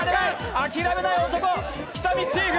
諦めない男、喜多見チーム！